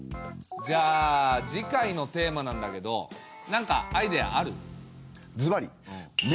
じゃあ次回のテーマなんだけどなんかアイデアある？